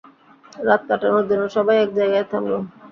রাত কাটানোর জন্য সবাই একজায়গায় থামল।